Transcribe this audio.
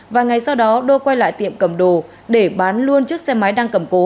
và ngay sau đó đô quay lại tiệm cầm đồ để bán luôn chiếc xe máy đang cầm cố